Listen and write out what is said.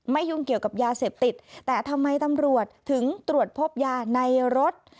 ยุ่งเกี่ยวกับยาเสพติดแต่ทำไมตำรวจถึงตรวจพบยาในรถ